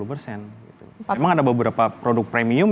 memang ada beberapa produk premium